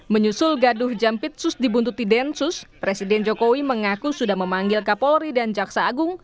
menyusul gaduh jampitsus dibuntuti densus presiden jokowi mengaku sudah memanggil kapolri dan jaksa agung